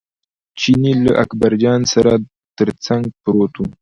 چیني له اکبرجان سره تر څنګ پروت و.